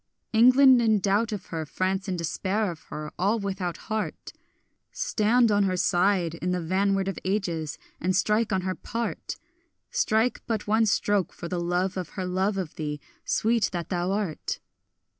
England in doubt of her, France in despair of her, all without heart— Stand on her side in the vanward of ages, and strike on her part! Strike but one stroke for the love of her love of thee, sweet that thou art!